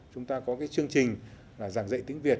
chúng ta có cái chương trình là giảng dạy tiếng việt